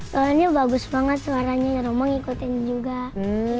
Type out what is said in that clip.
suaranya bagus banget suaranya yang rumah ngikutin juga